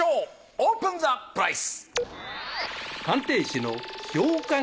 オープンザプライス！